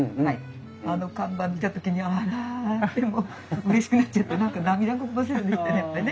あの看板見た時には「あら」ってもううれしくなっちゃって何か涙ぐませるよねやっぱね。